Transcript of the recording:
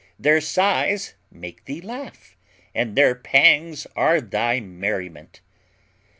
Their sighs make thee laugh, and their pangs are thy merriment!